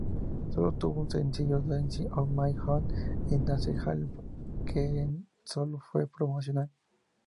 Sólo tuvo un sencillo, Dancing On My Own, y Dancehall Queen sólo fue promocional.